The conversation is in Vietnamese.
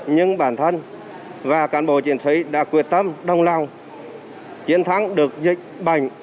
nhưng bản thân và cán bộ chiến sĩ đã quyết tâm đồng lòng chiến thắng được dịch bệnh